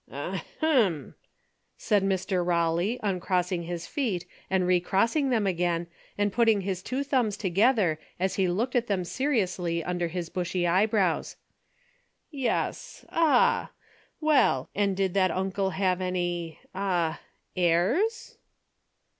" A ahem !" said Mr. Kawley, uncrossing his feet and recrossing them again and putting his two thumbs together as he looked at them seriously under his bushy eyebrows. " Yes. Ah ! Well, and did that uncle have any — ah — heirs